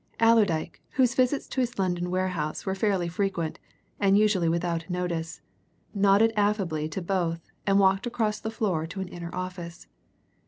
Allerdyke, whose visits to his London warehouse were fairly frequent, and usually without notice, nodded affably to both and walked across the floor to an inner office.